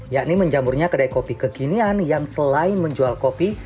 yakni menjamurnya kedai kopi kekinian yang selain menjual kopi